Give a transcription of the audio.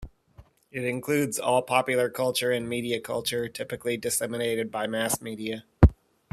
It includes all popular culture and media culture, typically disseminated by mass media.